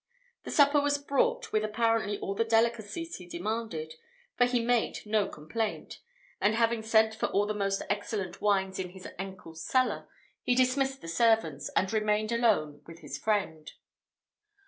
The supper was brought, with apparently all the delicacies he demanded, for he made no complaint; and having sent for all the most excellent wines in his uncle's cellar, he dismissed the servants, and remained alone with his friend.